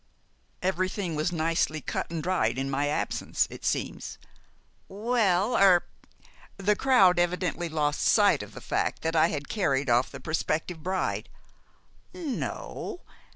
"Everything was nicely cut and dried in my absence, it seems." "Well er " "The crowd evidently lost sight of the fact that I had carried off the prospective bride." "N no.